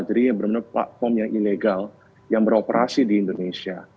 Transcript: jadi benar benar platform yang ilegal yang beroperasi di indonesia